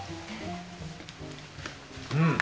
うん。